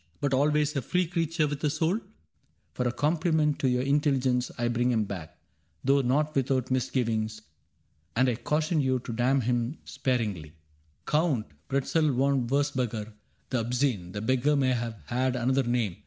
But always a free creature with a soul ? For a compliment to your intelligence I bring him back, though not without misgivings, And I caution you to damn him sparingly. CAPTAIN CRAIG 35 Count Pretzel von Wurzburger, the Obscene (The beggar may have had another name.